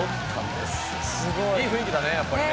いい雰囲気だねやっぱりね。